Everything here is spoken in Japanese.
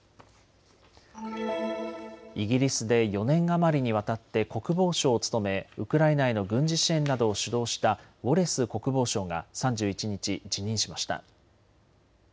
イギリスで４年余りにわたって国防相を務めウクライナへの軍事支援などを主導したウォレス国防相が３１日、辞任しました。